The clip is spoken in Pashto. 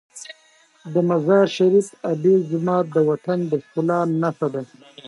د مزار شریف آبي جومات د وطن د ښکلا نښه ده.